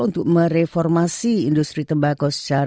untuk mereformasi industri tembako secara signifikan